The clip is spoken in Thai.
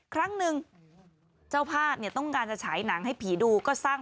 ครั้งหนึ่งเจ้าภาพเนี่ยต้องการจะฉายหนังให้ผีดูก็สร้าง